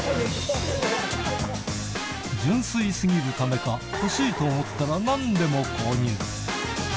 純粋すぎるためか、欲しいと思ったらなんでも購入。